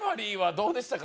どうでしたか？